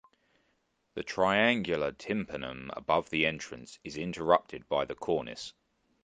The triangular tympanum above the entrance is interrupted by the cornice.